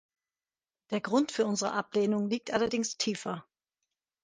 Der Grund für unsere Ablehnung liegt allerdings tiefer.